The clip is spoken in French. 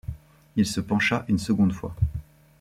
Il se pencha une seconde fois.